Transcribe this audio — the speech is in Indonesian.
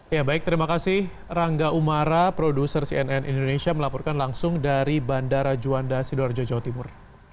ya baik terima kasih rangga umara produser cnn indonesia melaporkan langsung dari bandara juanda sidoarjo jawa timur